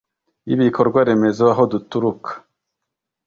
y'ibikorwa remezo aho duturuka